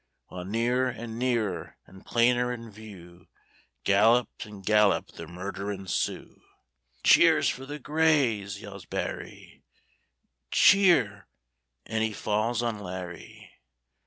While nearer an' nearer an' plainer in view, Galloped an' galloped the murderin' Sioux. "Cheers for the Greys!" yells Barry; "Cheer " an' he falls on Larry.